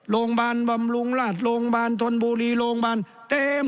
บำรุงราชโรงพยาบาลธนบุรีโรงพยาบาลเต็ม